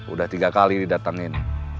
udah tiga kali didatengin